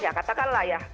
ya katakanlah ya